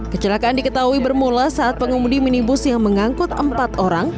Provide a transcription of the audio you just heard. kecelakaan diketahui bermula saat pengemudi minibus yang mengangkut empat orang